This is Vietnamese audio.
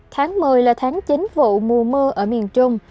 tháng một mươi là tháng chính vụ mùa mưa ở miền trung